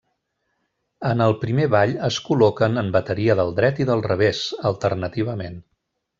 En el primer ball es col·loquen en bateria del dret i del revés, alternativament.